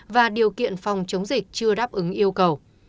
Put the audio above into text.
và điều kiện phòng chống dịch chưa đáp ứng yêu cầu